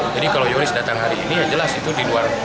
jadi kalau yoris datang hari ini yang jelas itu di luar